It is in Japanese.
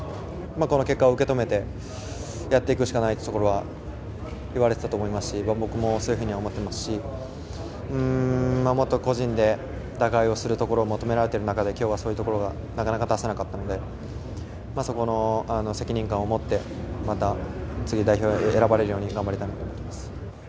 この結果を受け止めてやっていくしかないということはいわれていたと思いますし僕もそう思っていますしもっと個人で打開するところが求められている中で今日はそういうところがなかなか出せなかったのでそこの責任感を持ってまた、次の代表に選ばれるように頑張りたいなと思っています。